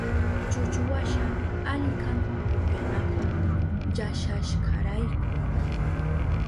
Chuchuwasha ali kan upyanapa llashayashkarayku.